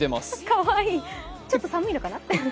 かわいい、ちょっと寒いのかな？